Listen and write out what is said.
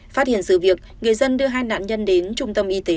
phát hiện sự việc người dân đưa hai nạn nhân đến trung tâm y tế